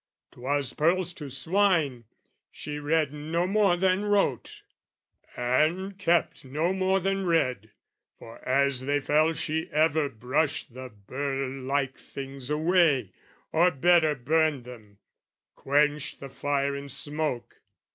"'Twas pearls to swine: she read no more than wrote, "And kept no more than read, for as they fell "She ever brushed the burr like things away, "Or, better, burned them, quenched the fire in smoke.